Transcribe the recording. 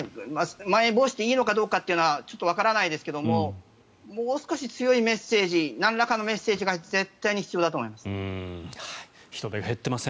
まん延防止でいいのかどうかはわからないですがもう少し強いメッセージなんらかのメッセージが絶対に必要だと思います。